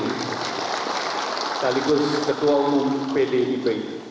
sekaligus ketua umum pd ip